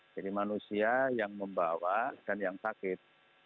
manusia yang membawa dan yang sakit